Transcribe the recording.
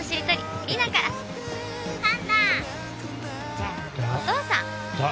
じゃあお父さん。